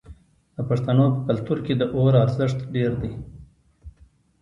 د پښتنو په کلتور کې د اور ارزښت ډیر دی.